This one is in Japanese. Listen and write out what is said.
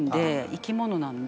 生き物なので。